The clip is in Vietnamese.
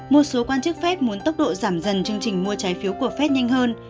một số quan chức fed muốn tốc độ giảm dần chương trình mua trái phiếu của fed nhanh hơn